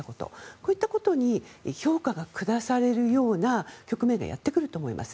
こういったことに評価が下されるような局面がやってくると思います。